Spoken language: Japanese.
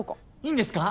いいんですか？